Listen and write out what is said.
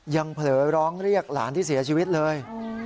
เผลอร้องเรียกหลานที่เสียชีวิตเลย